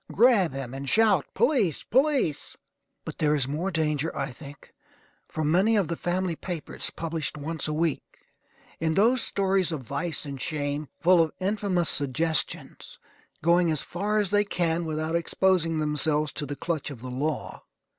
Grab him, and shout "Police! police!" But there is more danger, I think, from many of the family papers, published once a week; in those stories of vice and shame, full of infamous suggestions, going as far as they can without exposing themselves to the clutch of the law.